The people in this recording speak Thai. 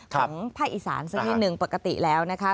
ของภาคอีสานสักนิดนึงปกติแล้วนะคะ